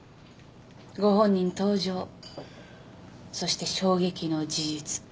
ご本人登場そして衝撃の事実。